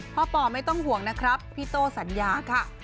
ปอไม่ต้องห่วงนะครับพี่โต้สัญญาค่ะ